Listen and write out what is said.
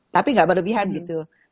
tapi gak berlebihan gitu